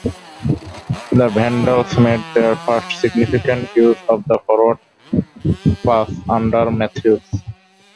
The Vandals made their first significant use of the forward pass under Mathews.